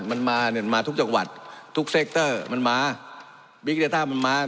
มันมาเนี่ยมาทุกจังหวัดทุกเซคเตอร์มันมามันมา